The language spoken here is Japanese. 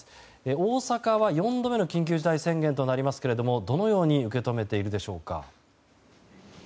大阪は４度目の緊急事態宣言となりますがどのように受け止めているでしょうか？